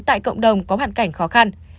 tại cộng đồng có hoàn cảnh khó khăn